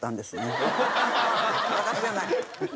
私じゃない。